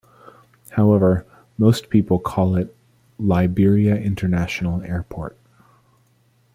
However, most people call it "Liberia International Airport".